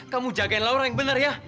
kamu jagain laura yang bener ya